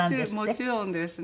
もちろんですね。